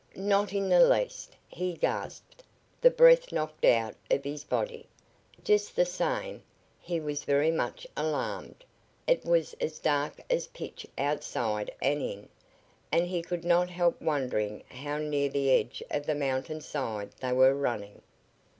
"Not in the least," he gasped, the breath knocked out of his body. Just the same, he was very much alarmed. It was as dark as pitch outside and in, and he could not help wondering how near the edge of the mountain side they were running.